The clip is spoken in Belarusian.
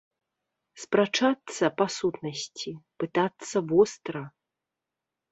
Спрачацца па сутнасці, пытацца востра.